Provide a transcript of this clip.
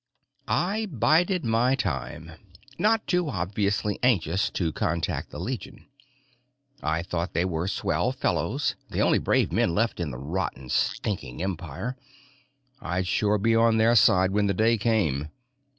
I bided my time, not too obviously anxious to contact the Legion. I just thought they were swell fellows, the only brave men left in the rotten, stinking Empire; I'd sure be on their side when the day came.